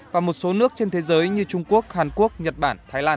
và một số nước trên thế giới như trung quốc hàn quốc nhật bản thái lan